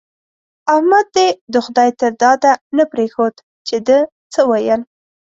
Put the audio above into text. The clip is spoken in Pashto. احمد دې د خدای تر داده نه پرېښود چې ده څه ويل.